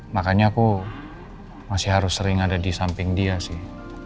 makanya aku masih harus sering ada di samping dia sih